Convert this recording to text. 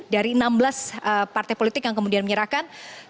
dari enam belas partai politik yang kemudian menyerahkan